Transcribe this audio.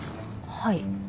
はい。